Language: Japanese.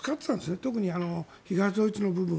特に東ドイツの部分。